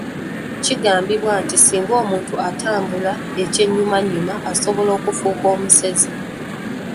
Kigambibwa nti singa omuntu atambula ekyennyumannyuma asobola okufuuka omusezi.